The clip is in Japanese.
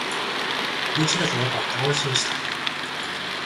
無事だとわかって安心した